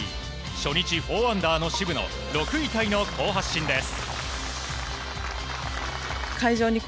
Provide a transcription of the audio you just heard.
初日４アンダーの渋野６位タイの好発進です。